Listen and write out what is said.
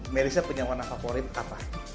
merisha punya warna favorit apa